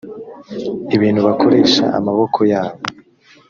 ibintu bakoresha amaboko yabo